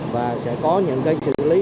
và sẽ có những cái xử lý